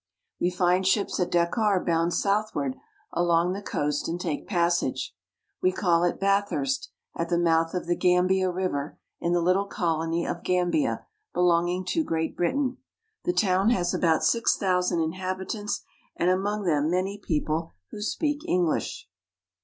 ^^H We find ships at Dakar bound southward along the ^^* coast, and take passage. We cal! at Bathurst (bath'erst), at r the mouth of the Gambia (gam'bi a) River, in the little L colony of Gambia, belonging to Great Britain. The town ^^1 has about six thousand inhabitants, and among them many ^^H people who speak English.